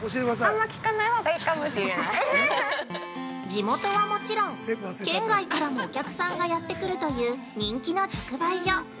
◆地元はもちろん、県外からもお客さんがやってくるという人気の直売所。